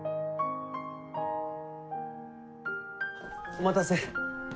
お待たせ。